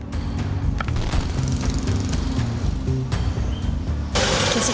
selatan kabupaten bekasi jawa barat